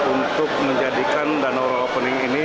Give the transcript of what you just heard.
untuk menjadikan danau rawa pening ini